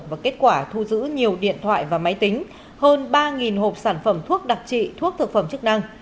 và kết quả thu giữ nhiều điện thoại và máy tính hơn ba hộp sản phẩm thuốc đặc trị thuốc thực phẩm chức năng